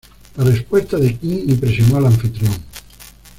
La respuesta de King impresionó al anfitrión.